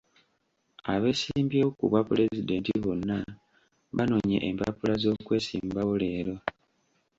Abeesimbyewo ku bwa pulezidenti bonna banonye empapula z'okwesimbawo leero.